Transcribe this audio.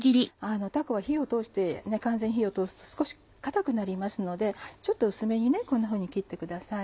たこは火を通して完全に火を通すと少し硬くなりますのでちょっと薄めにこんなふうに切ってください。